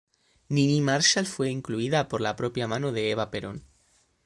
Niní Marshall fue incluida por la propia mano de Eva Perón.